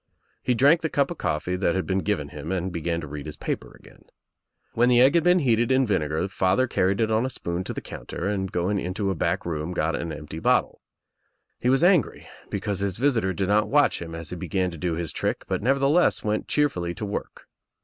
He drank the cup of coffee that had been given him and began to read his paper again. When the egg had been heated In vinegar father car ried it on a spoon to the counter and going into a back room got an empty bottle. He was angry because his visitor did not watch him as he began to do his trick, but nevertheless went cheerfully to work.